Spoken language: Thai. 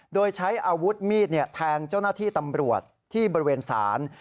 โดยใช้อาวุธมีดแทงเจ้าหน้าที่ตำรวจที่บริเวณศาล